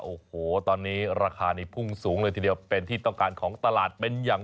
โอ้โหตอนนี้ราคานี้พุ่งสูงเลยทีเดียวเป็นที่ต้องการของตลาดเป็นอย่าง